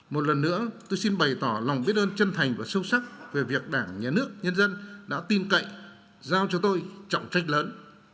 một lần nữa tôi xin bày tỏ lòng biết ơn chân thành và sâu sắc về việc đảng nhà nước nhân dân đã tin cậy giao cho tôi trọng trách lớn